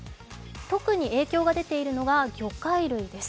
特に影響が出ているのが魚介類です。